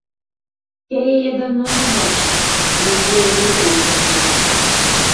Я яе даўно не бачыў, мы з ёю не дружна жылі.